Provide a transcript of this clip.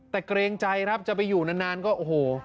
แต่เกรงใจครับจะไปอยู่นานก็โอ้โห